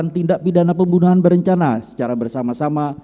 dan terhadap pidana pembunuhan berencana secara bersama sama